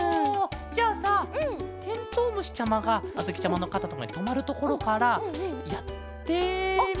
じゃあさてんとうむしちゃまがあづきちゃまのかたとかにとまるところからやってみるのはどうケロ？